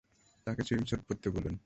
তাকে সুইমস্যুট পরতে বলুন!